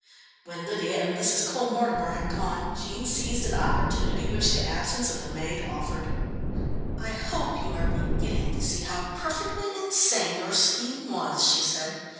When Lydia and Mrs. Cole Mortimer had gone, Jean seized an opportunity which the absence of the maid offered. "I hope you are beginning to see how perfectly insane your scheme was," she said.